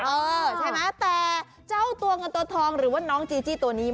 เออใช่ไหมแต่เจ้าตัวเงินตัวทองหรือว่าน้องจีจี้ตัวนี้